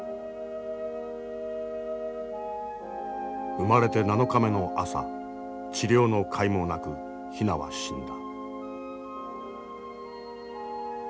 生まれて７日目の朝治療のかいもなくヒナは死んだ。